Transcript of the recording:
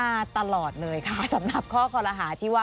สนุนโดยน้ำดื่มสิง